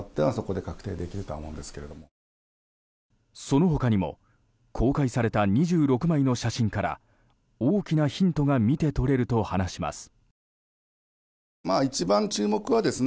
その他にも公開された２６枚の写真から大きなヒントが見て取れると話します。